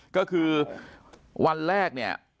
ก็คือวันแรก